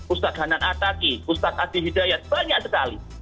ustadz hanan ataki ustadz aji hidayat banyak sekali